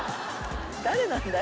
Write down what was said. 誰なんだよ？